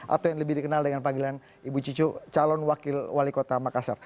atau yang lebih dikenal dengan panggilan ibu cicu calon wakil wali kota makassar